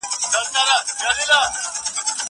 زه به سبا زدکړه وکړم.